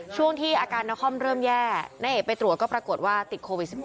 ช่วงที่อาการนครเริ่มแย่นายเอกไปตรวจก็ปรากฏว่าติดโควิด๑๙